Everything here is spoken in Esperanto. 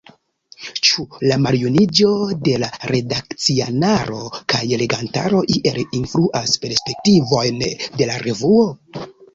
Ĉu la maljuniĝo de la redakcianaro kaj legantaro iel influas perspektivojn de la revuo?